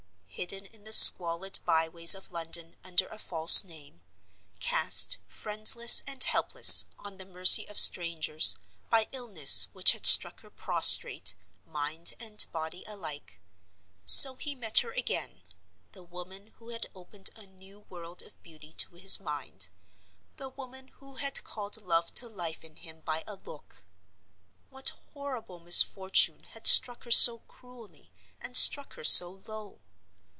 Hidden in the squalid by ways of London under a false name; cast, friendless and helpless, on the mercy of strangers, by illness which had struck her prostrate, mind and body alike—so he met her again, the woman who had opened a new world of beauty to his mind; the woman who had called Love to life in him by a look! What horrible misfortune had struck her so cruelly, and struck her so low?